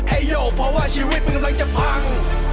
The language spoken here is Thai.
โยเพราะว่าชีวิตมันกำลังจะพัง